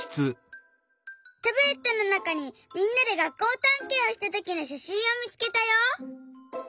タブレットのなかにみんなで学校たんけんをしたときのしゃしんをみつけたよ。